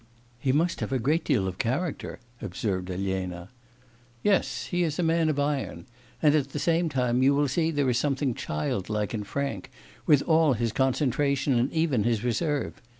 'He must have a great deal of character,' observed Elena. 'Yes. He is a man of iron. And at the same time you will see there is something childlike and frank, with all his concentration and even his reserve.